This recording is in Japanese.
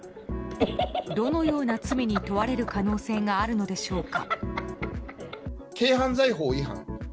どのような罪に問われる可能性があるのでしょうか。